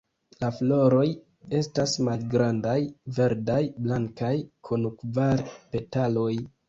La floroj estas malgrandaj, verdaj-blankaj, kun kvar petaloj.